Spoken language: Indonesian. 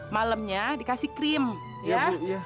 malemnya dikasih krim ya